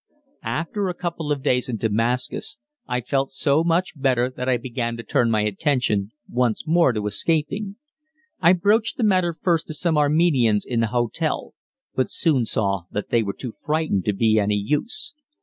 After a couple of days in Damascus, I felt so much better that I began to turn my attention once more to escaping. I broached the matter first to some Armenians in the hotel, but soon saw that they were too frightened to be any use.